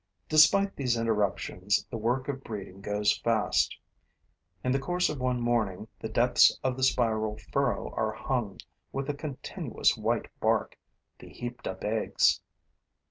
Despite these interruptions, the work of breeding goes fast. In the course of one morning, the depths of the spiral furrow are hung with a continuous white bark, the heaped up eggs.